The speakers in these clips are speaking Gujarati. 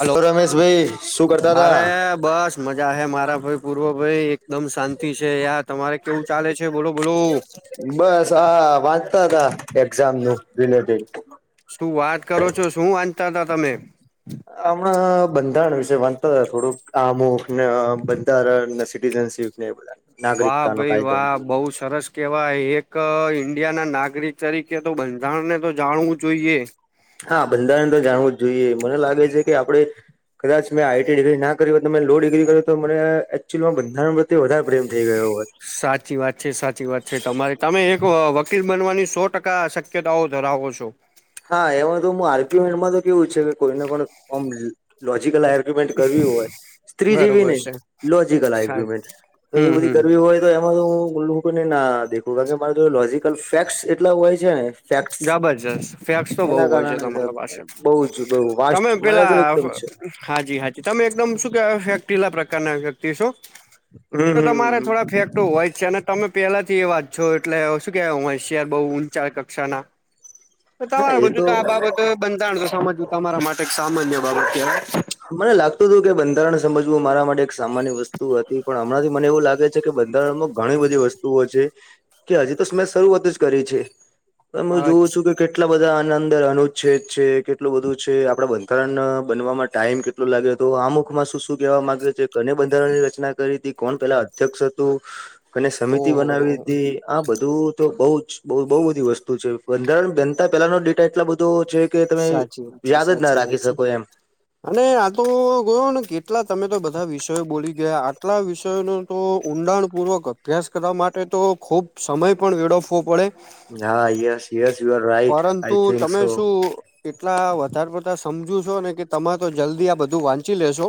હલો. તો રમેશભાઈ શું કરતા હતા અરે બસ મજા હે મારા ભાઈ પૂર્વ ભાઈ. એકદમ શાંતિ છે યાર તમારે કેવું ચાલે છે બોલો બોલો. બસ આ વાંચતા તા એક્ઝામ નું રિલેટડ શું વાત કરો છો શું વાંચતાં તા તમે. હમણાં બંધારણ વિશે વાંચતાં તા થોડુંક. આમુખને બંધારણ ને સિટીઝનશીપ ને એ બધા. વાહ નાગરિકતા નો ભાઈ કાયદો વાહ બહુ સરસ. કેવાય એક ઈન્ડિયા ના નાગરિક તરીકે તો બંધારણને તો જાણવું જોઈએ. હા બંધારણ તો જાણવું જ જોઈએ મને લાગે છે કે આપડે. કદાચ મે આઈટી ડિગ્રી ના કરી હોત ને લો ડિગ્રી કરી હોત તો બધા મને એકચ્યુઅલીમાં બંધારણ વધારે પ્રેમ થઈ ગયો હોએ. સાચી વાત. છે સાચી વાત છે તમારે તમે એક વકીલ બનવાની સો ટકા શક્યતાઓ ધરાવો છો. હા એમાં તો આરગયુંમેન્ટમાં તો કેવું છે કે કોઈને પણ કોમ. લોજીકલ આર્ગ્યુમેન્ટ કરવી હોય સ્ત્રી જેવી બરોબર નહીં છે લોજીકલ આર્ગ્યુમેન્ટ. તો એ હમ બધી હમ કરવી હોય તો એમાં તો હું ઘણું. ને ના દેખું કારણ કે મારે લોજીકલ ફેક્ટસ એટલા હોય છે ને. ફેક્ટસ જબરજસ્ત. ફેક્સ તો બહુ એના હોય છે કારણે તમારા પાસે બહુ જ બહુ વાસ્ટ તમે મારા જોડે પેલા એકદમ છે હાજી હા. તમે એકદમ શું કેવાય ફેક્ટ. [unintelligible] ટિલા પ્રકારના વ્યક્તિ શું તો હમ તમારે હમ થોડા ફેકટો હોય છે અને. તમે પેલા થી એવા જ છો એટલે શું કેવાય હોશિયાર બહું ઊંચા કક્ષાના. તો હા તમારે એ બધું તો આ બાબત બંધારણ તો સમજવું તમારા માટે સામાન્ય બાબત છે. મને લાગતું હતું કે બંધારણ સમજવું મારા માટે એક સામાન્ય વસ્તુ હતી પણ હમણાંથી મને એવું લાગે છે. કે બંધારણમાં ઘણી બધી વસ્તુઓ છે કે હજી તો મેં શરૂઆત જ કરી છે. તમે જોઉ અચ્છ છું કે. કેટલા બધા આના અંદર અનુચ્છેદ છે કેટલું બધું છે આપડા બંધારણ બનવા માટે. ટાઈમ કેટલો લાગ્યો હતો આમુખમાં શું શું કેવા માંગ્યો છે કને બંધારણની રચના કરી હતી કોણ પેલા. અધ્યક્ષ હતું અને સમિતિ ઓહો હો બનાવી હતી. આ બધું તો બ‌ઉજ બહુ બધી વસ્તુ છે બંધારણ બનતા પેલા નો ડેટા એટલો બધો છે. કે તમે સાચી વાત છે યાદ જ ના સાચી વાત રાખી છે. શકો એમ. અને આ તો ગયો ને કેટલા તમે તો બધા વિષયો બોલી ગયા આટલા વિષયો નો. તો ઊંડાણ પૂર્વક અભ્યાસ કરવા માટે તો ખુબ સમય પણ વેળફો પડે. હા yes yes your right I પરંતુ થિંક તમે સો. શું એટલા વધારે પડતા સમજુ છો ને કે તમે તો જલ્દી આ બધું વાંચી લેશો.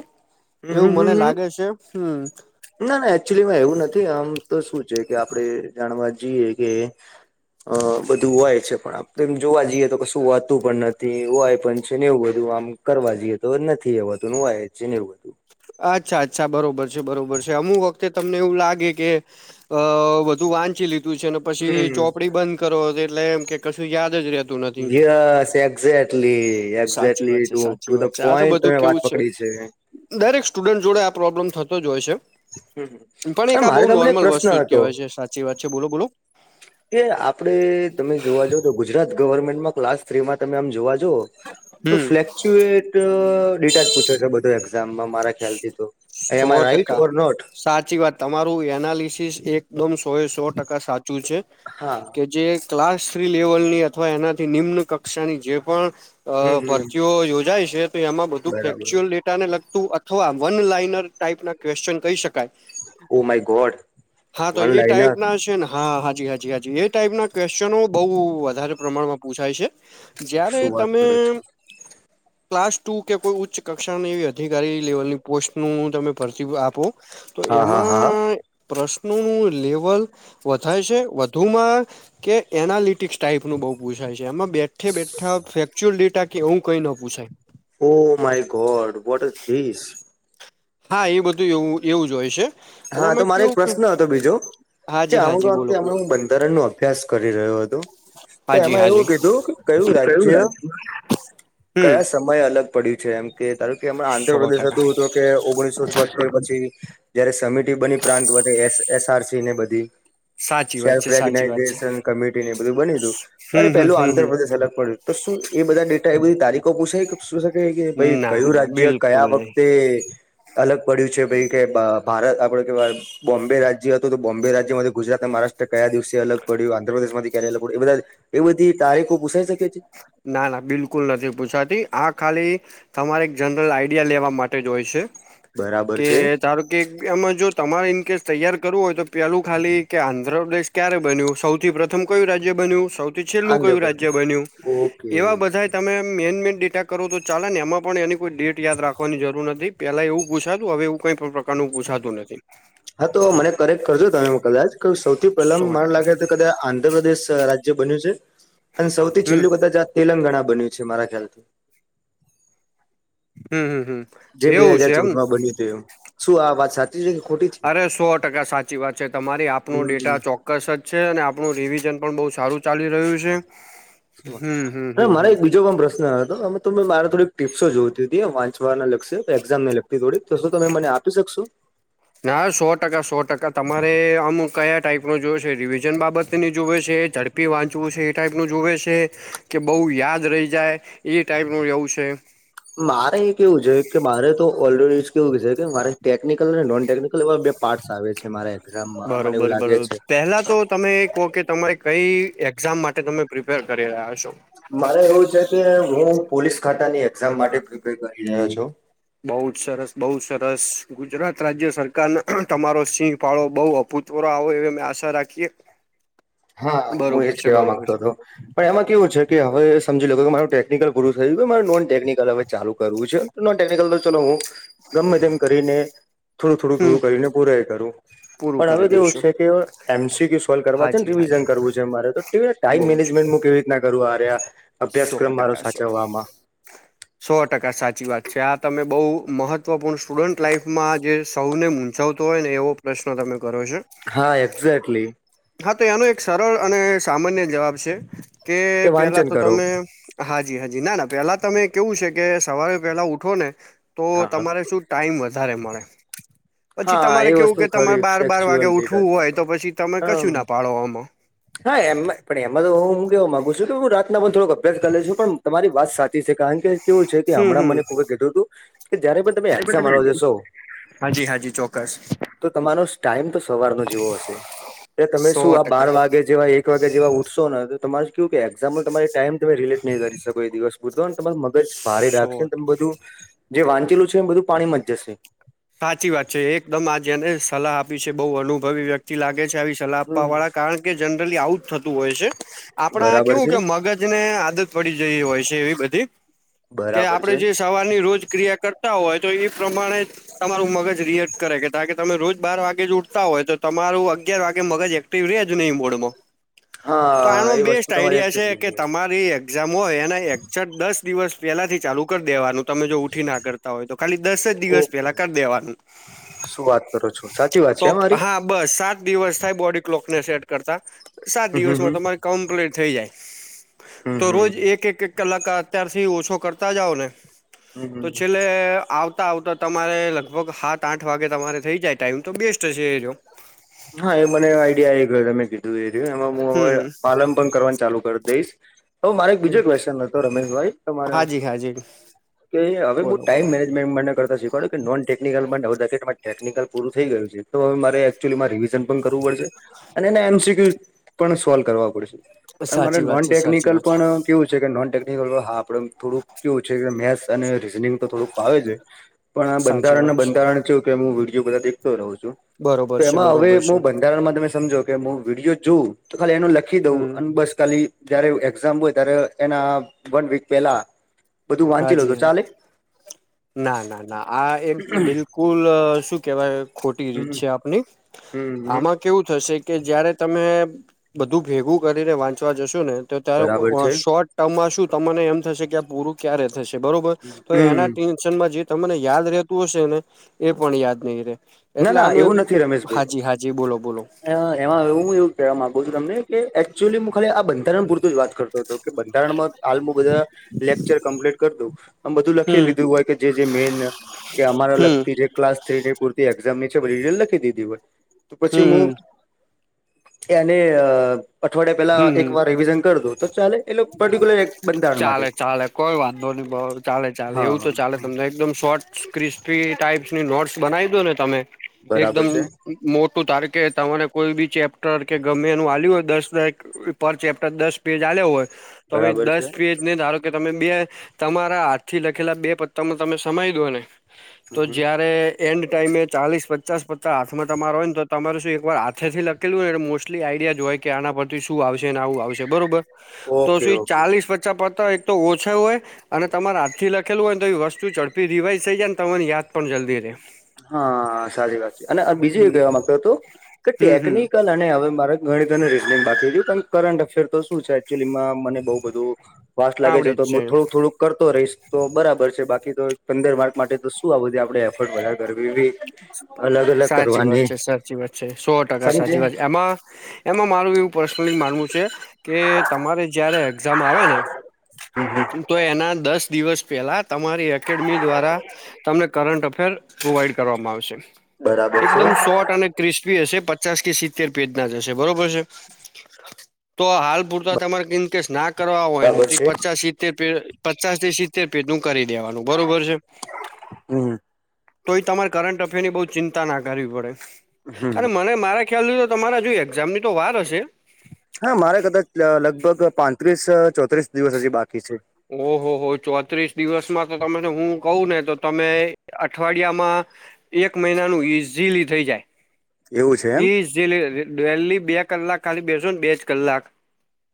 હમ એવું હમ હમ મને હમ. લાગે છે હમ. ના ના એકચુલીમાં એવું નથી આમ તો શું છે કે આપણે જાણવા જઈએ કે. અ બધું હોય છે પણ આપડે એમ જોવા જઈએ તો કશું હોતું પણ નથી હોય પણ છે ને એવું બધું આમ. કરવા જઈએ તો નથી એવાતું નું વાય છે એવુ. અચ્છા અચ્છા બરોબર છે બરોબર છે અમુક વખતે તમને એવું લાગે કે. અ બધું વાંચી લીધું છે ને પછી હમ ચોપડી બંધ કરો એટલે એમ કે કશું યાદ જ રહે. તું નથી યસ એક્ઝેક્ટલી સાચી એક્ઝેક્ટલી વાત છે ટુ ટુ સાચી વાત ધ છે આ તો પોઈન્ટ બધું તમે વાત કેવું છે. પકડી દરેક સ્ટુડેન્ટ જોડે આ પ્રોબ્લેમ થતો જ હોય છે. પણ એક હમ આ મારે બઉુ તમને એક નોર્મલ પ્રશ્ન વસ્તુ જ હતો કેહેવાય છે સાચી વાત છે બોલો બોલો. એ આપડે તમે જોવા જ તો ગુજરાત ગવર્મેન્ટમાં ક્લાસ થ્રીમાં તમે આમ જોવા તો હમ ફ્લેક [unintelligible] ડેટા પૂછે છે બધો એક્ઝામમાં મારા ખ્યાલથી તો એમ સો આર રાઈટ ટકા ઓર નોટ સાચી વાત. તમારું એનાલિસિસ એકદમ સો સો ટકા સાચું છે. હા. કે જે ક્લાસ થ્રી લેવલની અથવા એનાથી નિમ્ન કક્ષાની જે પણ અ હમ હમ ભરતીઓ યોજાય છે તો એમાં બધું બરાબર ફેક્ચ્યુઅલ ડેટાને લગતું અથવા વન લાઈનર. ટાઈપ ના ક્વેશ્ચન કહી શકાય. ઓ માય ગોડ હા તો વન એ લાઈનર ટાઈપ ના છે ને હા હાજી હાજી જી હાજી એ ટાઈપ ના ક્વેશચનો બઉ વધારે પ્રમાણમાં પૂછાય છે. જયારે શું વાત તમે કરો છો ક્લાસ ટુ કે કોઈ ઉચ્ચ કક્ષાની એવી અધિકારી લેવલની પોસ્ટનું તમે ભરતી આપો તો હા હા હા એમાં પ્રશ્નોનું લેવલ વધાય છે. વધુમાં કે એનાલિટિક્સ ટાઈપ નું બઉુ પૂછાય છે. એમાં બેઠે બેઠા ફેચુઅલ ડેટા કે એવું કઈ ન પૂછાય oh my god what is this હા એ બધું એવું એવું જ હોય છે. અને હા તો અમે મારો એક કેવું કે પ્રશ્ન હતો બીજો કે હાજી અમુક હાજી બોલો વખતે અમ બોલો બંધારણ નું અભ્યાસ કરી રહ્યું હતોું તો હાજી એમાં એવું હાજી કીધું કે કયું રાજ્ય હમ કયા સમ સમય અલગ પડ્યું છે. એમ કે ધારો કે હમણા સો આંધ્રપ્રદેશ હતું હતો કે ઓગણીસો છોતેર ટકા પછી જયારે સમિટીિ બની પ્રાંત વધે એસ એસઆરસી ને બધી સાચી વાત સેલ્ફ છે સાચી વાત છે રેેશન કમિટીને એ બધું બનીું ત હમ હમ પેલું હમ હમ આંધ્રપ્રદેશ અલગ પડ્યું હતું. તો શું એ બધા ડેટા એ બધી તારીખો પૂછાય- શું શકે કે ભાઈ ના કયું ના રાજ્ય બિલકુલ કયા નહી વખતે અલગ પડ્યું છે ભાઈ કે ભારત આપડે કેવાય બોમ્બે રાજ્ય હતો તો બોમ્બે રાજ્યમાં ગુજરાત ના મહારાષ્ટ્ર કયા દિવસે અલગ પડ્યું આંધ્રપ્રદેશ માં ક્યારે અલગ પડ્યું એ બધા એ બધી તારીખો પૂસાઈ શકે છે. ના ના બિલકુલ નથી પૂછાતી આ ખાલી તમારે એક જનરલ આઈડિયા લેવા માટે જ હોય છે. બરાબર કે છે ધારો કે આમાં જો તમારે ઇનકેસ તૈયાર કરવું હોય તો પેલું ખાલી કે આંધ્રપ્રદેશ ક્યારે બન્યું સૌથી પ્રથમ કયું રાજ્ય બન્યું સૌ છેલ્લું કયું રાજ્ય આંધ્રપ્રદેશ બન્યું ઓકે એવા બધા તમે મેન મેન ડેટા કરો તો ચાલે ને એમાં પણ એની કોઈ ડેટ યાદ રાખવાની જરૂર નથી. પેલા એવું પૂછાતું હવે એવું કઈ પણ પ્રકાર નું પૂછાતું નથી. હા તો મને કરેક્ટ કરજો તમે કદાચ સૌથી પહેલા સો મને ટકા લાગે કદા આંધ્રપ્રદેશ રાજ્ય બન્યું છે. અને સૌથી હમ છેલ્લું કદાચ તેલંગાણા બન્યું છે. મારા ખ્યાલથી હમ હમ હમ જે બે એવું છે હાજાર એમને ચૌદમાં બન્યું હતુંું શું આ વાત સા અરે સો ટકા સાચી વાત છે તમારી આપનો હમ ડેટા ચો કસ જ છે. અને આપણું રિવિઝન પણ બહ સારું ચાલી રહ્યું છે. હમ હમ હમ મારે હમ એક બીજો પણ પ્રશ્ન હતો અમે તો મેં મારે થોડીક ટીપ્સો જોઈતી હતી વાંચવા લ એક્ઝામ મે લખતી થોડી તો શ તમે મને આપી શકશો ના સો ટકા સો ટકા તમારે આમ કયા ટાઈઇપનો જોુવે છે. રિવિઝન બાબતની જોુવે છે. ડપી વાંચું છે. ટાઈપ ન જોવે છે કે બઉુ યાદ રહી જાય એ ટાઈપનું એવું છે. મારે એ કેવું છે. કે મારે તો ઓલરેડી કેવું છે. કે મારે ટેકનિકલ અને નોન ટેકનિકલ બે પાર્ટસ આવે છે મારા એઝામમાં મને એવું બરોબર લાગે બરોબર છે. પહેલા તો તમે એ કહો કે તમારે કઈ એક્ઝામ માટે તમે પ્રિપેર કરી રહ્યા છો. મારે એવું છે કે હું પોલીસ ખાતાની એક્ઝામ માટે પ્રિપેર કરી રહ્યો છું બઉુ જ સરસ બઉુ સરસ ગુજરાત રાજ્ય સરકાર તમારો સિંહ ફાળો બઉ અપૂત તોરા આ આવો એમાં આશા રાખીએ હા હું બરોબર એજ છે કેવા બરોબર માંગતો છે હતો પણ એમાં કેવું છે. કે હવે સમજી લો કે મારું ટેકનિકલ ગુરુ થયું કે મારે નોન ટેકનિકલ હવે ચાલુ કરવું છે. તો નોન ટેકનિકલ તો ચલો હું ગમે તેમ કરીને-' થોડું થોડું હમ થોડું કરીને પૂરા કરું પૂરું પણ કરી હવે કેવું દઈશું છે કે એમસીક્યુ સોલ્વ કરવા હાજી રિવિઝન હાજી કરવું છે મારે [unintelligible] ટાઈમ બઉ જ મેનેજમેન્ટ કેવી રીના કરવું આ્યા સો અભ્યાસક્રમ મારો ટકા સો સાચવમાં સો ટકા સાચી વાત છે આ તમે બહુ મહત્વપૂર્ણ સ્ટુડન્ટ લાઈફમાં જે સૌને મ ચવતો હોય ને એવો પ્રશ્ન તમે કરો છો હા એક્ઝે્ટલી હા તો એનો એક સરળ અને સામાન્ય જવાબ છે કે પેલા વાંચન તો કરો તમે હાજી હાજી ના ના પેલા તમે કેવું છે કે સવારે પેલા ઉઠો ને તો હા તમારે શું ટાઈમ વધારે મળે પછી હા તમારે એ કેવું કે વસ્તુ તમારે ખરી બાર બાર ફેક્ચ્યુઅલ વાગે ડેટા ઉઠવું છે. હોય તો પછી તમે કશું હમ ના પાડવામાં હા એમમાં પણ એમાં તો હું હું કેવા માગુ છું કે હું રાતના પણ થોડક અભ્યાસ કરી લ છું પણ તમારી વાત સાચી છે કારણ કે કેવું છે કે હમ હમણાં મને ખુબ કધું હતું કે જયારે પણ તમે હમ એક્સામમાં જશો હાજી હાજી ચોક્કસ તો તમારો ટાઈમ તો સવારનો જેવો હશે એ તમે સો શું આ બાર ટકા વાગે જેવા એક વાગ્યા જેવા ઉઠશો ને તમારે કેવું કે એક્ઝામ્પલ તમારી ટાઈમ તમે રિલેટ નહીં કરી શકો એ દિવસ પૂરતો ને તમારું મગજ ભારે સો રાખશે તેમ બધું જે વાંચેલું છે એ બધું પાણી માં જ જશે હાચી વાત છે એકદમ આજ એને સલાહ આપી છે બહુ અલુ ભવ્ય વ્યક્તિ લાગે છે આવી સલાહ આપવા હમ વાળા કારણ કે જનરલી આવુજ થતું હોય છે આપણા બરાબર કેવું છે કે મગજ ને આદત પડી જ હોય છે એવી બધી કે બરાબર આપડે છે જે સવારની રોજ ક્રિયા કરતા હોય તો એ પ્રમાણે તમારું મગજ રિએક્ટ કરે કે કારણ કે તમે રોજ બાર વાગે ઉઠતા હોય તો તમારું અગિયાર વાગે મગજ એક તીવ્રેજ નહીં બોડવો તો હા આનો એ વસ્તુ બેસ્ટ તમારી આઈડિયા છે કે એકચુલી તમારી એક્ઝામ હોય એના એકસો દસ દિવસ પહેલાથી ચાલુ કરી દેવાનું તમે જો ઉઠી ના કરતા હોય તો ખાલી દસ જ દિવસ ઓકે પેલા કરી દેવાનું શું વાત કરો છો સાચી વાત તો છે મારી હા બસ સાત દિવસ થાય બોડી ક્લોકને સેટ કરતા સાત હમ હમ દિવસમાં તમારે કમ્પ્લીટ થઈ જાય તો હમ હમ રોજ હમ એક એક એક કલાક અત્યારથી ઓછો કરતા જાવ ઓ ને હમ તો હમ છેલ્લે આવતા આવતા ત તમારે લગભગ સાત આઠ વાગે તમારે થઈ જાય ટાઈમ તો બેસ્ટ છે એ જો હા એ મને આઈડિયા એ તમે કીધું એ રહ્યું એમાં હું હવે હમ હમ પાલન પણ કરવાનું ચાલુ કરી દઈશ તો મારે એક બીજો ક્વેશન હતો રમેશભાઈ તો મારે હાજી હાજી કે હવે હુ બોલો ટાઈમ બોલો મેનેજમેન્ટ માટે કરતા નોનટેકનિકલટેકનિકલ પૂરું થઈ ગયું તો હવે એકચ્યુલીમાં રિવિઝન કરવું પડશે અને એને એમસીક્યુ પણ સોલ્વ કરવા પડશે અને મારે સાચી વાત છે સાચી નોનટેકનિકલ વાત પણ કેવું છે કે નોન ટેકનિકલ હા આપણે થોડું કેવું છે કે મેથ્સ અને રીઝનિંગ તો થોડુંક ફાવે છે પણ છે આ સાચી બંધારણ વાત ના બંધારણ છે કે હું વિડીયો બધા દેખતો રહું છું બરોબર તો છે એમાં હવે બરોબર છે હું બંધારણમાં તમે સમજો. કે હું વિડીયો જોઉં તો ખાલી એનો લખી દઉં હમ અને બસ ખાલી ત્યારે એક્ઝામ હોય ત્યારે એના વન વીક પેલા બધું વાંચી હાજી લોતો હા ચાલે ના ના ના આ એક બિલકુલ શું કેહેવાય ખોટી હમ રીત છે આપની હમ હમ આમાં કેવું થશે કે જયારે તમે બધું ભેગું કરીને વાંચવા જશો ને તો ત્યારે ઓ બરાબર ઓ છે શોર્ટ ટર્મમાં શું તમને એમ થશે કે આ પૂરું ક્યારે થશે બરોબર તો એના હમ ટેન્શનમાં જે તમને યાદ રહેતું હશે ને એ પણ યાદ નઈ રે ના એટલે ના આનું એક એવું નથી રમેશભાઈ હાજી હાજી બોલો બોલો એમાં હું એવું કહેવા માંગુ છું તમને કે એકચુલી હું ખાલી આ બંધારણ પૂરતું જ વાત કરતો હતો કે બંધારણમાં હાલ બધા લેક્ચર કમ્પ્લીટ કર દું આમ બધું લખી હમ લીધું હોય કે જે મેન કે અમારા હમ લગતી જે ક્લાસ થ્રી પૂરતી. એઝામની છે રિઝલ્ટ લખી દીધી હોય તો હમ પછી હું. હમ એને અ. અઠવાડિયા પેલા હમ હમ એક વાર રિવિઝન કર દઉ તો ચાલે એટલે પર્ટિક્યુલર એક બંધારણ ચાલે માટે ચાલે કોઈ વાંધો નઇ બો ચાલે ચાલે હા એવું તો ચાલે હા તમને એકદમ શોર્ટ સ્કિ ફ્રી ટાઈપ્સની નોટ્સ બનાવી દો ને તમે બરાબર એકદમ છે મોટું ધારકે તમારે કોઈ બી ચેપ્ટર કે ગમે એનું આલ્યું હોય દસ [unintelligible] પર ચેપ્ટર દસ પેજ આલ્યા હોય તો અવે બરાબર છે દસ પેજ ને ધારો કે તમે બે તમારા હાથથી લખેલા બે પત્તામાં તમે સમાય દો ને હમ તો હમ જયારે એન્ડ ટાઈમે ચાલીસ પચાસ પત્તા હાથમાં તમારા હોય ને તો તમારે શું એકવાર હાથેથી લખ ખેલુ હોયને મોસ્ટલી આઈડિયા જ હોય કે આના [unintelligible] શું આવશેને આવું આવશે બરોબર? તો ઓકે શું એ ઓકે ચાલીસ પચ્ચા પત્તા એક તો ઓછા હોય અને તમારે હાથથી લખેલું હોય ને તો એ વસ્તુ ઝડપી રિવાઈઝ થઈ જાય ને તમને યાદ પણ જલ્દી રે. હા સાચી વાત છે અને અ બીજું એ હમ કહેવા માંગતુ તું કે હમ હમ ટેકનિકલ અને અવે મારે ગણીતર અને રીઝનિંગ બાકી રયુ પણ કરંટ અફેર તો શું છે એકચુલીમાં મ મને બઉ બધું વાસ લાગે છે આવડે તો જ મું થોડું થોડુંક કરતો રહીશ તો બરાબર છે બાકી તો એ પંદર માર્ક માટે તો શું આ બધી આપણે એફર્ટ વધાર કરવી વી સાચી વાત છે, સાચી વાત છે સો ટકા સમજે સાચી વાત છે એમાં એમાં મારું એવું પર્સનલી માનવું છે કે તમારે જય્યારે એક્ઝામ આવે ને હમ હમ તો એના દસ દિવસ પેલા તમારી એકેડમી દ્વારા તમને કરંટ અફેર પ્રોવાઈડ કરવામાં આવશે. બરાબર છે એકદમ સોર્ટ અને ક્રિસ્પી હશે, પચાસ કે સિત્તેર પેજના થશે બરોબર છે. તો હાલ પૂરતા તમારે ઇન કેસ ના કરવા હોયને બરાબર છે પચાસ સિત્તેર પ પચાસ થી સિત્તેર પેજનું કરી દેવાનું બરોબર છે. હમ્મ. તોએ તમારે કરંટ અફેરની બહ ચિંતા ના કરવી પડે, હમ અરે મને મારે ખ્યાલ [unintelligible] તો તમારા જો એક્ઝામની તો વાર હશે હા, મારે કદાચ લગભગ પાંત્રીસ ચોત્રીસ દિવસ હજી બાકી છે. ઓહો હો ચોત્રીસ દિવસમાં તો તમે હું કવને તો તમે અઠવાડિયામાં એક મહિનાનું ઇઝીલી થઈ જાય. એવું છે એમ ઈ વહેલી બે કલાક ખાલી બેસોને બે જ કલાક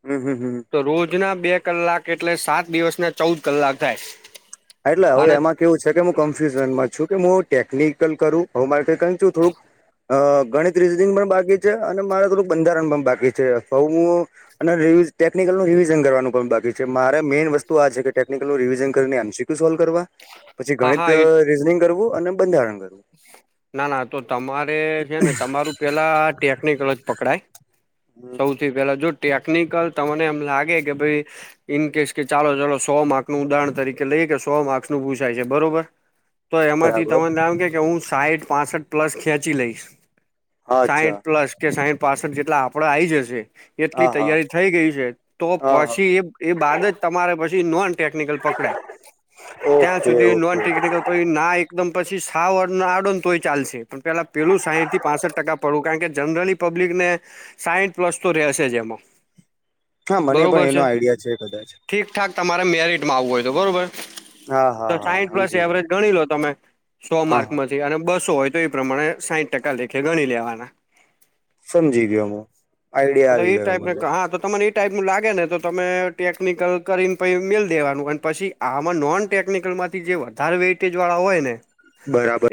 હમ્મ, હમ્મ, હમ્મ. તો રોજના બે કલાક એટલે સાત દિવસ ના ચૌદ કલાક થાય. એટલે હું અને એમાં કેવું છે કે હું કન્ફ્યુઝન માં છું કે હું ટેકનિકલ કરું [unintelligible] કું થોડુંક. અહ ગણિત્રીજ રીઝનિંગ પણ બાકી છે અને મારે થોડુંક બંધારણ પણ બાકી છે અથવા હું અને રિવી ટેકનિકલ નું રિવિઝન કરવાનું પણ બાકી છે. મારે મેઈન વસ્તુ આ છે કે ટેકનિકલનું રિવિઝન કરી એમ સી ક્યૂ સોલ્વ કરવા પછી હા ગણિત હા એ રીઝનિંગ કરવું અને બંધારણ કરવું. ના ના તો તમારે છે ને તમારું પેલા ટેકનિકલ જ પકડાય. હમ સૌથી પેલા જો ટેકનિકલ તમને એમ લાગે કે ભાઈ ઇન કેસ કે ચાલો ચાલો સો માર્કસનું ઉદાહર તરીકે લઈએ કે સો માર્ક નું પૂસાય છે બરોબર. તો એમાંથી બરાબર તમનેમ કે કે હું સાહીઠ પાસઠ પ્લસ ખેંચી લઈશ. અચ્છા સાઈઠ પ્લસ કે સાઈઠ પાસઠ જેટલા આપડા આઈ જશે. એટલી હા હા તૈયારી થઈ ગઈ છે તો હા પછી હા એ એ બાદ જ તમારે પછી નોન ટેકિકલ પકડાય ત્યાં ઓકે સુધી ઓકે નોન ટેકિકલ પછી ના એકદમ પછી સા આડ તો ચાલશે પણ પેલા પેલું સાહીઠ થી પાસઠ ટકા પડવું કારણ કે જનરલી પબ્લિક ને. સાઈઠ પ્લસ તો રહેશે જ એમાં. હા મને પણ એનો આઈડિયા છે કદાચ. ઠીક ઠાક તમારે મેરટમાં આવવું હોય તો બરોબર. હા તો હા હા સાયન્સ ક્લાસ સમજી ગયો એવરેજ ગણી લો તમે. સો હા માર્ક હા માંથી અને બસો હોય તો એ પ્રમાણે સાઈઠ ટકા લેખે ગણી લેવાના. સમજી ગયો હું આઈડિયા આવી એ ગયો ટાઈપને મને હા તો તમારે ટાઈપનું લાગે ને તો તમે ટેકનિકલ કરીને પછી મિલ દેવાનું અને પછી આમાં નોન ટેકનિકલમાં જે વધારે વેઇટેજ વાળા હોય ને બરાબર.